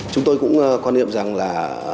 chúng tôi cũng quan niệm rằng là